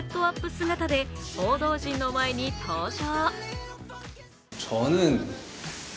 姿で報道陣の前に登場。